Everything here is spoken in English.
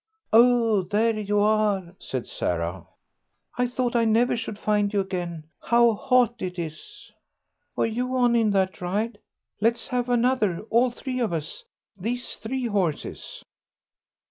"Oh, here you are," said Sarah. "I thought I never should find you again. How hot it is!" "Were you on in that ride? Let's have another, all three of us. These three horses."